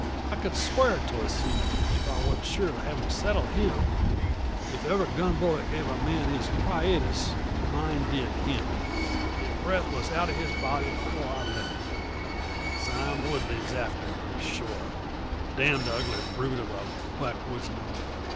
I could swear 'twas he, if I wasn't sure of having settled him. If ever gun bullet gave a man his quietus, mine did him. The breath was out of his body before I left him. "Sime Woodley's after me, sure! Damn the ugly brute of a backwoodsman!